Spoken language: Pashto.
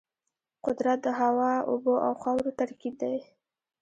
قدرت د هوا، اوبو او خاورو ترکیب دی.